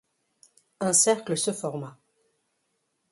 Un cercle se forma.